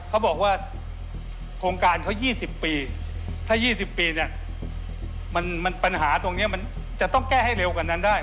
เขาบอกว่าโครงการเขา๒๐ปีถ้า๒๐ปีเนี่ยมันปัญหาตรงนี้มันจะต้องแก้ให้เร็วกว่านั้นได้